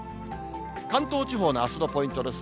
関東地方のあすのポイントです。